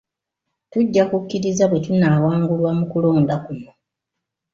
Tujja kukkiriza bwe tunnaawangulwa mu kulonda kuno.